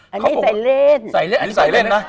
อันนี้ใส่เล่น